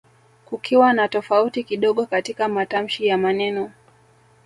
kukiwa na tofauti kidogo katika matamshi ya maneno